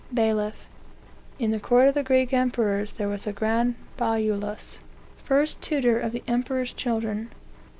"BAILIFF. In the court of the Greek emperors there was a grand bajulos, first tutor of the emperor's children.